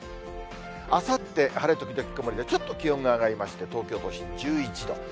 あさって、晴れ時々曇りで、ちょっと気温が上がりまして、東京都心１１度。